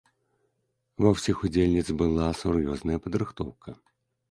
Ва ўсіх удзельніц была сур'ёзная падрыхтоўка.